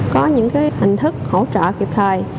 có những hành thức hỗ trợ kịp thời